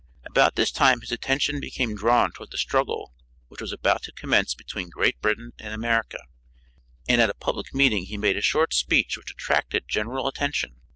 About this time his attention became drawn toward the struggle which was about to commence between Great Britain and America, and at a public meeting he made a short speech which attracted general attention.